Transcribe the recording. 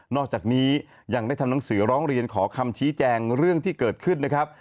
อกจากนี้ยังได้ทำหนังสือร้องเรียนขอคำชี้แจงเรื่องที่เกิดขึ้นนะครับ